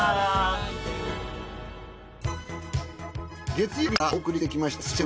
月曜日からお送りしてきました